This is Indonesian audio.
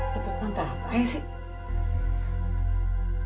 lepak pantai sih